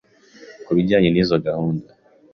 ku bijyanye n’izo gahunda,